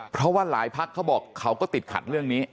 เพราะว่าหลายพักเขาบอกเขาก็ติดขัดเรื่องนี้